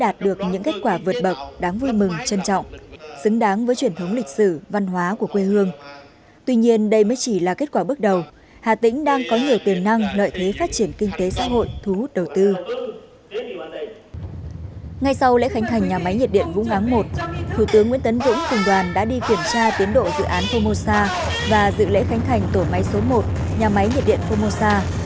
tổ chức nguyễn tấn vũng cùng đoàn đã đi kiểm tra tiến độ dự án phomosa và dự lễ khánh thành tổ máy số một nhà máy nhiệt điện phomosa